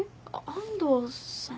安藤さん